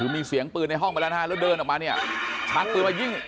มีเสียงปืนในห้องกลัวด้านหน้าเดินออกมาเนี่ยมีแสดง